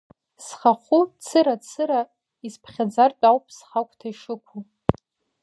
Схахәы цыра-цыра исԥхьаӡартә ауп схагәҭа ишықәу.